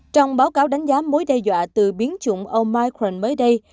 trong báo cáo đánh giá mối đe dọa từ biến chủng omicren mới đây